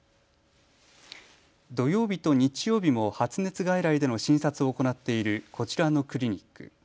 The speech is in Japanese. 土曜日と日曜日も発熱外来での診察を行っているこちらのクリニック。